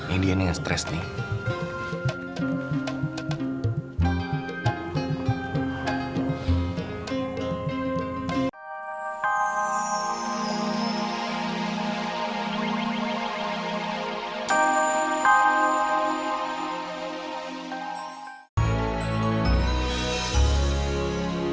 ini dia yang stress nih